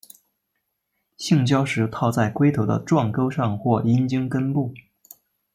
性交时套在龟头的状沟上或阴茎根部。